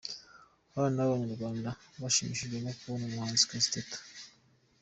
Abana b'abanyarwanda bashimishijwe no kubona umuhanzikazi Teta.